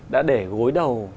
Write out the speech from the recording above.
đã để gối đầu